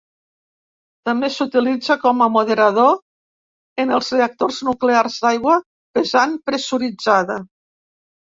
També s'utilitza com a moderador en els reactors nuclears d'aigua pesant pressuritzada.